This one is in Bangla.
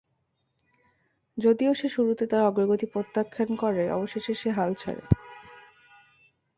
যদিও সে শুরুতে তার অগ্রগতি প্রত্যাখ্যান করে অবশেষে সে হাল ছাড়ে।